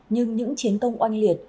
nhưng những chiến công oanh liệt